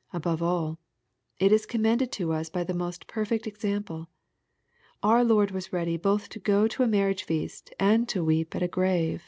— ^Above all, it is commended to us by the most perfect example. Our Lord was ready both to go to a marriage feast, and to weep at a grave.